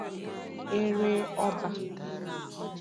e ree ọba.